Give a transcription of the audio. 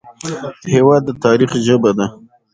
هېواد د تاریخ ژبه ده.